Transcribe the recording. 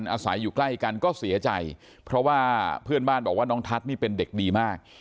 อาศัยอยู่ใกล้กันก็เสียใจเพราะว่าเพื่อนบ้านบอกว่าน้องทัศน์นี่เป็นเด็กดีมาก